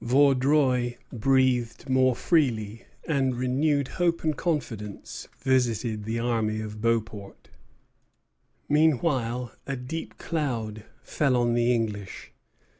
Vaudreuil breathed more freely, and renewed hope and confidence visited the army of Beauport. Meanwhile a deep cloud fell on the English.